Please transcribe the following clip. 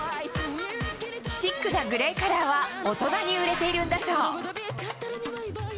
シックなグレーカラーは大人に売れているんだそう。